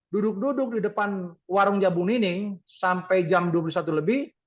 duduk duduk di depan warung jabung nining sampai jam dua puluh satu lebih